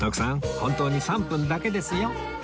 本当に３分だけですよ？